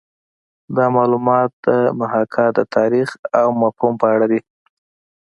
دا معلومات د محاکات د تاریخ او مفهوم په اړه دي